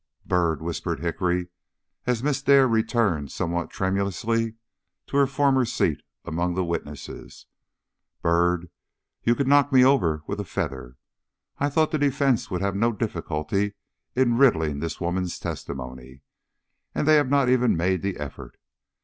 "Byrd," whispered Hickory, as Miss Dare returned somewhat tremulously to her former seat among the witnesses "Byrd, you could knock me over with a feather. I thought the defence would have no difficulty in riddling this woman's testimony, and they have not even made the effort.